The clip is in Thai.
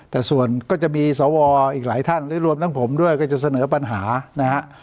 แต่ส่วนโดยจะเดยากับสาวอธิตรเป็นใครร้ายท่านรวมหลังผมรับก็จะเก็บปัญหานะฮะ